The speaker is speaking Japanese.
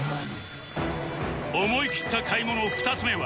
思い切った買い物２つ目は